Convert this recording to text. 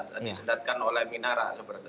tersendatkan oleh minara